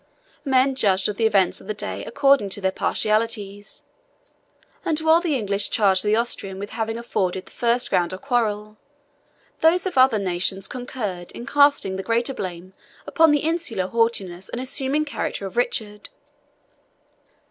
Men judged of the events of the day according to their partialities, and while the English charged the Austrian with having afforded the first ground of quarrel, those of other nations concurred in casting the greater blame upon the insular haughtiness and assuming character of Richard.